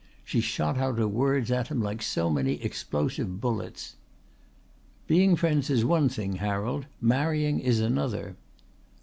She shot out her words at him like so many explosive bullets. "Being friends is one thing, Harold. Marrying is another."